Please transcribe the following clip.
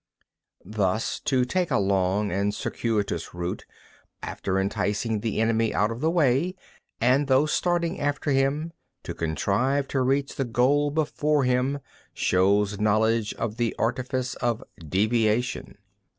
4. Thus, to take a long and circuitous route, after enticing the enemy out of the way, and though starting after him, to contrive to reach the goal before him, shows knowledge of the artifice of deviation.